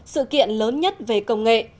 sự kiện lớn nhất về công nghệ